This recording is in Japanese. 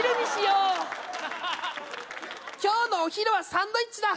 今日のお昼はサンドイッチだ